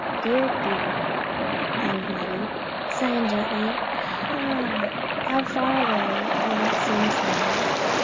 Dear, dear!" added Lettie, sighing gently, "how far away all that time seems now.